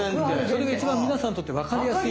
それが一番皆さんにとってわかりやすい。